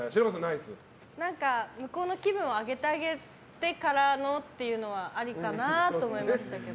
向こうの気分を上げてあげてからのっていうのはありかなと思いましたけど。